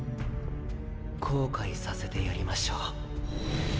後悔させてやりましょう。